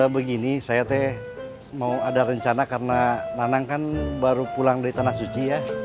begini saya teh mau ada rencana karena nanang kan baru pulang dari tanah suci ya